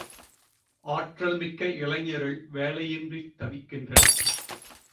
ஆற்றல் மிக்க இளைஞர்கள் வேலையின்றி தவிக்கின்றனர்!